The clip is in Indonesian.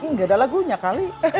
gak ada lagunya kali